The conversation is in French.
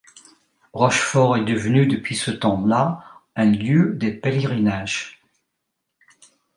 Rochefort est devenue depuis ce temps là un lieu de pèlerinage.